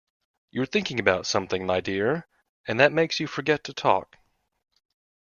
‘You’re thinking about something, my dear, and that makes you forget to talk.